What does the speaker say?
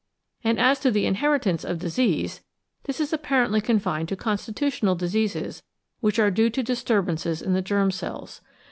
And as to the inheritance of disease, this is apparently confined to constitu 876 The Outline of Science tional diseases which are due to disturbances in the germ cells.